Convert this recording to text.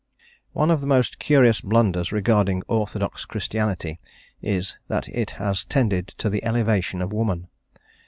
One of the most curious blunders regarding orthodox Christianity is, that it has tended to the elevation of woman.